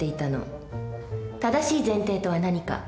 正しい前提とは何か。